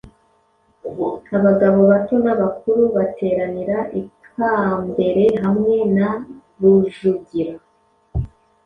abagabo bato n'abakuru bateranira ikambere hamwe na Rujugira;